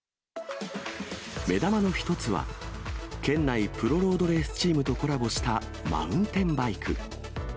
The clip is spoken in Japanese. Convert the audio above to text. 目玉の一つは、県内プロロードレースチームとコラボした、マウンテンバイク。